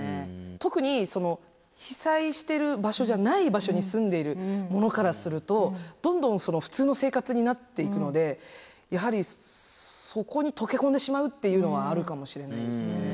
特に被災してる場所じゃない場所に住んでいる者からするとどんどん普通の生活になっていくのでやはりそこに溶け込んでしまうっていうのはあるかもしれないですね。